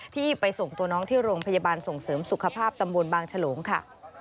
ที่ไปส่งตัวน้องที่โรงพยาบาลส่งเสริมสุขภาพตำบลบางฉลงค่ะ